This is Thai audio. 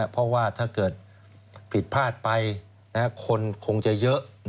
เพราะว่าถ้าเกิดผิดพลาดไปคนคงจะเยอะ